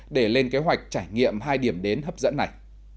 để lên kế hoạch trải nghiệm hai điểm đến hấp dẫn này